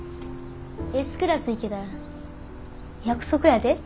Ｓクラスいけたら約束やで。